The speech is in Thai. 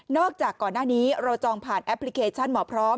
จากก่อนหน้านี้เราจองผ่านแอปพลิเคชันหมอพร้อม